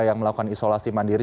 yang melakukan isolasi mandiri